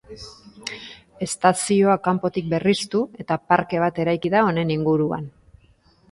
Estazioa kanpotik berriztu eta parke bat eraiki da honen inguruan.